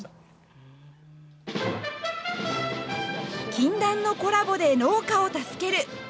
禁断のコラボで農家を助ける。